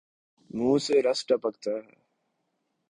منہ سے رس ٹپکتا ہے